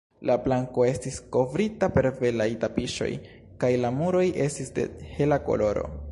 La planko estis kovrita per belaj tapiŝoj, kaj la muroj estis de hela koloro.